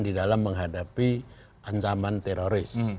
di dalam menghadapi ancaman teroris